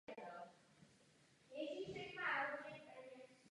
Jako jeho nástupce prezentovala abatyše Žofie kněze Jana z Teplic.